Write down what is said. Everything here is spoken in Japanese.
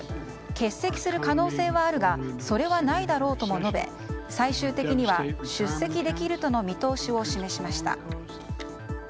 欠席する可能性はあるがそれはないだろうとも述べ最終的には出席できるとの見通しを示しました。